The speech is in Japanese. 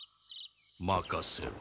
まかせろ。